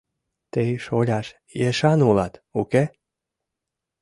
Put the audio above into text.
— Тый, шоляш, ешан улат, уке?